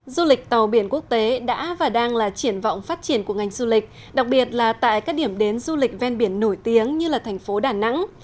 du lịch tàu biển quốc tế đã và đang là triển vọng phát triển của ngành du lịch đặc biệt là tại các điểm đến du lịch ven biển nổi tiếng như là thành phố đà nẵng